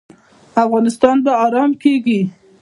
افغانستان به ارام کیږي